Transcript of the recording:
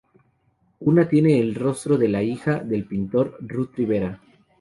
Una tiene el rostro de la hija del pintor, Ruth Rivera.